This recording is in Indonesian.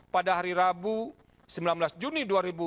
pada hari rabu sembilan belas juni dua ribu dua puluh